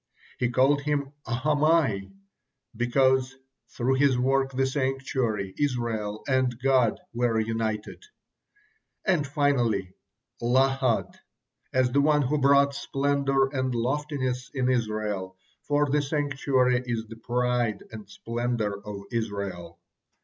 He called him Ahamai, because, through his work, the sanctuary, Israel, and God were united; and finally Lahad, as the one who brought splendor and loftiness it Israel, for the sanctuary is the pride and splendor of Israel.